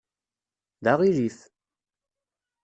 D aɣilif!